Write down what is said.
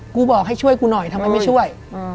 บอกให้ช่วยกูหน่อยทำไมไม่ช่วย